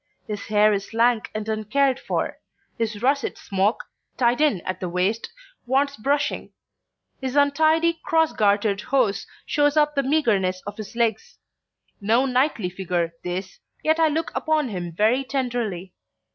His hair is lank and uncared for; his russet smock, tied in at the waist, wants brushing; his untidy cross gartered hose shows up the meagerness of his legs. No knightly figure this, yet I look upon him very tenderly.